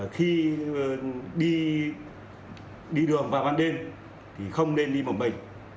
chúng ta đi đường vào ban đêm thì không nên đi một mình